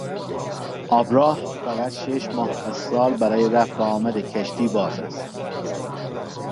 آبراه فقط شش ماه از سال برای رفت و آمد کشتی باز است.